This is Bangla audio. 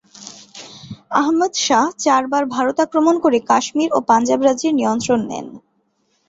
আহমদ শাহ চারবার ভারত আক্রমণ করে কাশ্মীর ও পাঞ্জাব রাজ্যের নিয়ন্ত্রণ নেন।